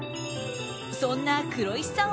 そんな黒石さん